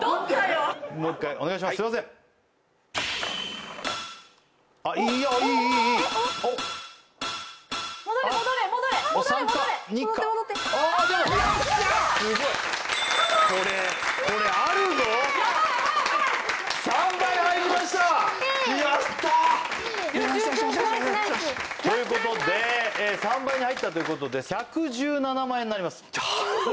よしよしよしナイスナイスということで３倍に入ったということで１１７万円になります